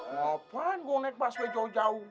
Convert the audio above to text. ngapain gue naik bus weh jauh jauh